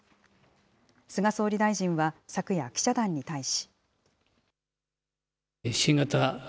菅総理大臣は昨夜、記者団に対し。